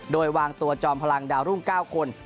โดยวางตัวจอมพลังดาวรุ่ง๙คน